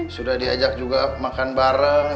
sudah diajak juga makan bareng